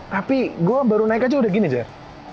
tapi gue baru naik aja udah gini jer